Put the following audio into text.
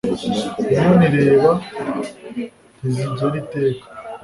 Inkono ireba ntizigera iteka